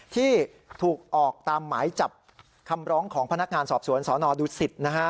ที่ถูกออกตามหมายจับคำร้องของพนักงานสอบสวนสนดุสิตนะฮะ